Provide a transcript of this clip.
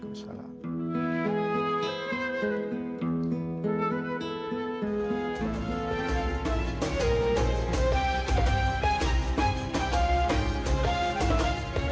wassalamualaikum warahmatullahi wabarakatuh